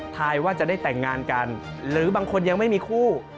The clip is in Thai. ทายว่าจะได้แต่งงานกันหรือบางคนยังไม่มีคู่